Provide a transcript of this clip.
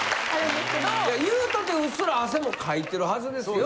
言うたってうっすら汗もかいてるはずですよ。